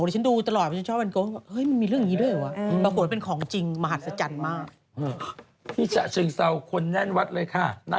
พวกเราต้องสอกว่าเดี๋ยวนี้เวียนเทียนกลางวันกันอ่ะ